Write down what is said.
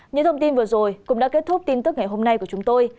những thông tin vừa rồi cũng đã kết thúc tin tức ngày hôm nay của chúng tôi